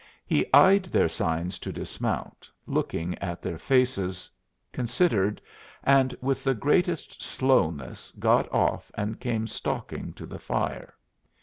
He eyed their signs to dismount, looked at their faces, considered, and with the greatest slowness got off and came stalking to the fire.